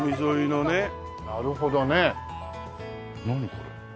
これ。